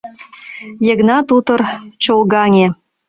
Йыгнат утыр чолгаҥе.